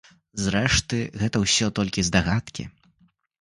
Зрэшты, гэта ўсё толькі здагадкі.